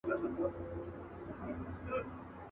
څوك به وران كي د ازل كښلي خطونه.